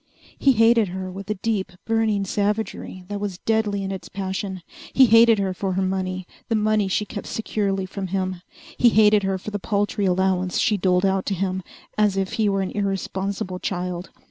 He hated her with a deep, burning savagery that was deadly in its passion. He hated her for her money, the money she kept securely from him. He hated her for the paltry allowance she doled out to him, as if he were an irresponsible child.